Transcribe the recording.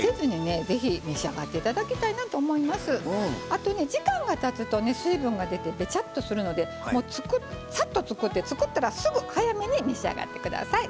あとね時間がたつとね水分が出てベチャッとするのでサッと作って作ったらすぐ早めに召し上がって下さい。